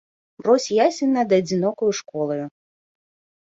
Рос ясень над адзінокаю школаю.